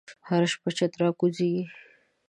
هره شپه چت راکوزیږې